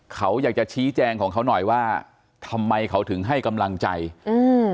เขาอยากจะชี้แจงของเขาหน่อยว่าทำไมเขาถึงให้กำลังใจอืม